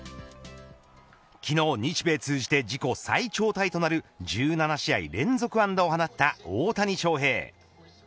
昨日、日米通じて自己最長タイとなる１７試合連続安打を放った大谷翔平。